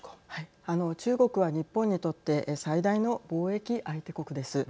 中国は日本にとって最大の貿易相手国です。